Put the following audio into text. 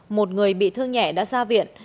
một người bị thương nhẹ đã ra viện